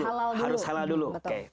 lihat dulu harus halal dulu